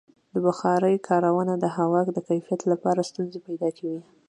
د بخارۍ کارونه د هوا د کیفیت لپاره ستونزې پیدا کوي.